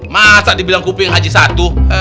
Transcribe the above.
masa dibilang kuping haji satu